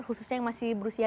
khususnya yang masih berusia